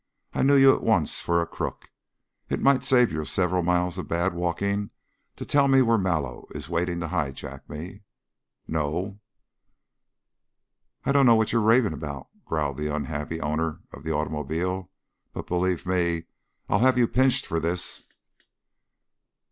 I knew you at once for a crook. It might save you several miles of bad walking to tell me where Mallow is waiting to high jack me.... No?" "I dunno what you're ravin' about," growled the unhappy owner of the automobile. "But, believe me, I'll have you pinched for this."